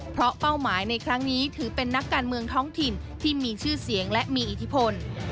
เพราะเป้าหมายในครั้งนี้ถือเป็นนักการเมืองท้องถิ่นที่มีชื่อเสียงและมีอิทธิพล